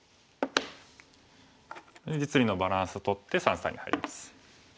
実利のバランスをとって三々に入ります。